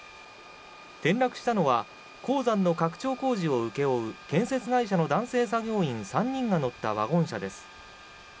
転落したのは鉱山の拡張工事を請け負う建設会社の男性作業員３人が乗ったワゴン車です。